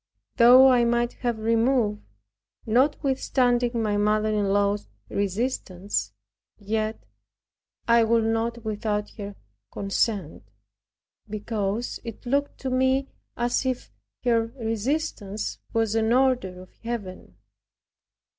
Though I might have removed, notwithstanding my mother in law's resistance, yet I would not without her consent; because it looked to me as if her resistance was an order of Heaven.